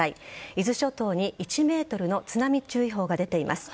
伊豆諸島に１ｍの津波注意報が出ています。